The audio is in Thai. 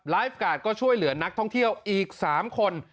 การ์ดก็ช่วยเหลือนักท่องเที่ยวอีก๓คน